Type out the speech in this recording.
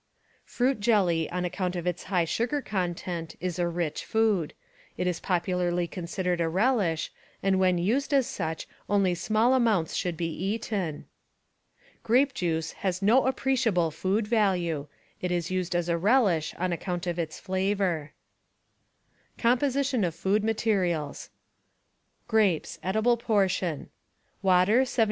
Fruit jelly on account of its high sugar content is a rich food. It is popularly considered a relish and when used as such only small amounts should be eaten. Grape juice has no appreciable food value. It is used as a relish on account of its flavor. 34 COMPOSITION OF FOOD MATERIALS.